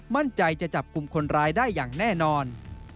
มั่นใจจะจับกลุ่มคนร้ายได้อย่างแน่นอน